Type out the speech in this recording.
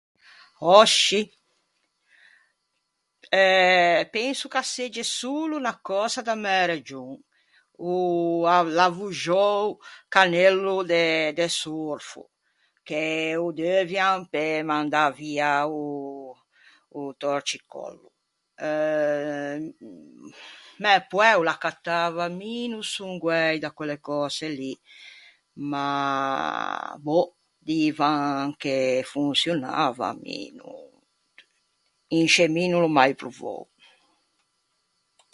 Oscì eh penso ch’a segge solo unna cösa da mæ region. O av- l’avvoxou canello de de sorfo, che ô deuvian pe mandâ via o o torcicòllo. Euh mæ poæ o l’accattava, mi no son guæi da quelle cöse lì, ma boh, divan che fonçionava, mi no, in sce mi no l’ò mai provou.